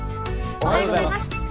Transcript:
おはようございます。